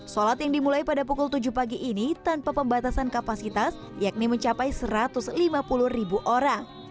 sholat yang dimulai pada pukul tujuh pagi ini tanpa pembatasan kapasitas yakni mencapai satu ratus lima puluh ribu orang